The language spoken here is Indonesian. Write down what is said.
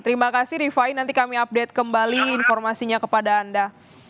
terima kasih rifai nanti kami update kembali informasinya kepada anda